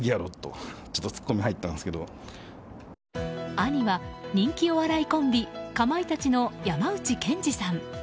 兄は人気お笑いコンビかまいたちの山内健司さん。